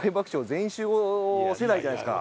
『全員集合』世代じゃないですか。